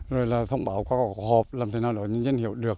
rồi là thông báo qua các hộp làm thế nào đó để dân hiểu được